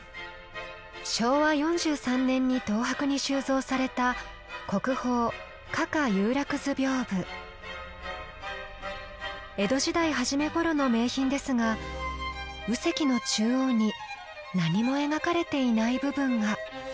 昭和４３年に東博に収蔵された江戸時代初めごろの名品ですが右隻の中央に何も描かれていない部分が。